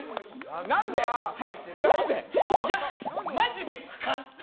マジで勘！